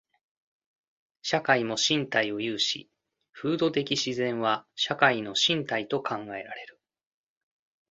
社会も身体を有し、風土的自然は社会の身体と考えられる。